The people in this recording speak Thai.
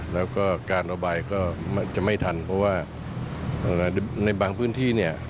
แล้วก็การระบายก็จะไม่ทันเพราะว่าในบางพื้นที่เนี่ย